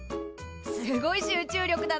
すごい集中力だね。